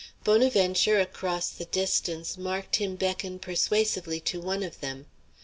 Bonaventure across the distance marked him beckon persuasively to one of them.